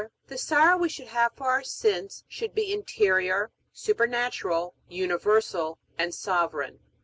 The sorrow we should have for our sins should be interior, supernatural, universal, and sovereign.